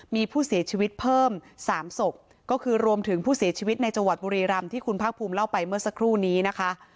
มีผู้เสียชีวิตเพิ่มสามศพก็คือรวมถึงผู้เสียชีวิตในจังหวัดบุรีรำที่คุณภาคภูมิเล่าไปเมื่อสักครู่นี้นะคะ